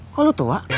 kok lo tua